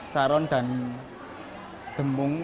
saron dan demung